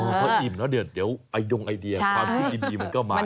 อ๋อถ้าอิ่มแล้วเดือดเดี๋ยวไอดงไอเดียความคิดดีมันก็มาเอง